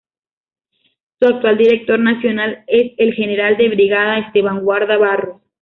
Su actual director nacional es el General de Brigada Esteban Guarda Barros.